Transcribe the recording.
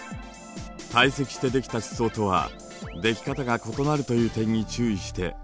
堆積してできた地層とはでき方が異なるという点に注意して考えてみましょう。